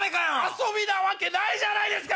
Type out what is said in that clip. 遊びなわけないじゃないですか！